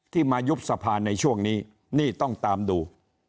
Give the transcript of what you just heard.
ที่มายุบสภาในช่วงนี้นี่ต้องตามดู